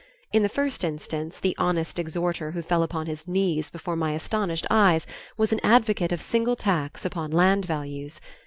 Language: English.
In the first instance, the honest exhorter who fell upon his knees before my astonished eyes, was an advocate of single tax upon land values.